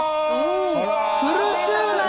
苦しゅうない。